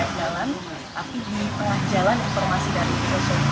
tapi di perjalanan informasi dari sikir